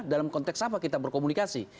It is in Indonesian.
dalam konteks apa kita berkomunikasi